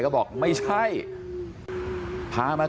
ก็เป็นอย่างนี้